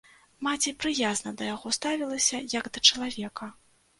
Маці прыязна да яго ставілася як да чалавека.